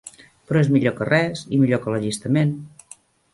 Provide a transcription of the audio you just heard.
Però és millor que res, i millor que l'allistament.